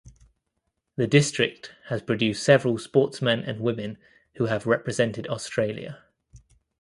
The district has produced several sportsmen and women who have represented Australia.